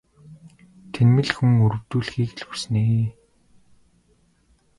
Тэнэмэл хүн өрөвдүүлэхийг л хүснэ ээ.